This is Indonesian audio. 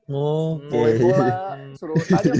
gue suruh tadi tuh pras tuh